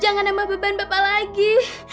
jangan nambah beban bapak lagi